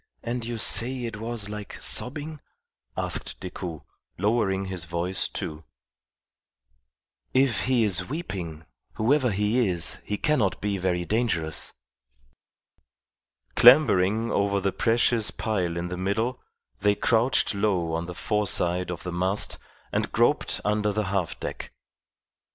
"And you say it was like sobbing?" asked Decoud, lowering his voice, too. "If he is weeping, whoever he is he cannot be very dangerous." Clambering over the precious pile in the middle, they crouched low on the foreside of the mast and groped under the half deck.